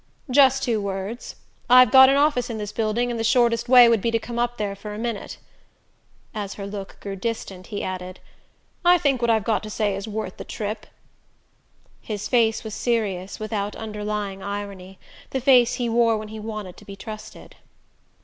"Just two words. I've got an office in this building and the shortest way would be to come up there for a minute." As her look grew distant he added: "I think what I've got to say is worth the trip." His face was serious, without underlying irony: the face he wore when he wanted to be trusted.